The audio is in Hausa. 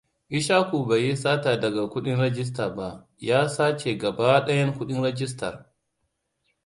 Ishaku bai yi sata daga kuɗin rijista ba. Ya sace gaba ɗayan kuɗin rijistar.